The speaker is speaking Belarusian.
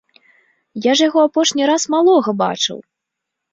Я ж яго апошні раз малога бачыў!